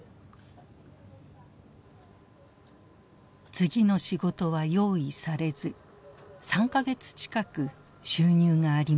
次の仕事は用意されず３か月近く収入がありません。